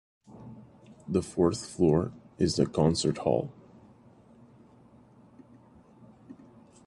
The fourth floor is the concert hall.